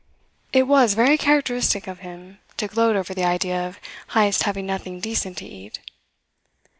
It was very characteristic of him to gloat over the idea of Heyst having nothing decent to eat.